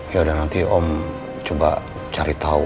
yaudah nanti om coba cari tahu